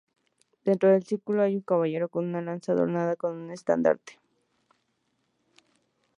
Dentro del círculo hay un caballero con una lanza adornada con un estandarte.